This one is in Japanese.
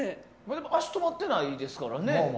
足、止まってないですからね。